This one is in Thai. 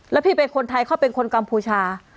แล้วพี่เป็นคนไทยเขาเป็นคนกัมพูชา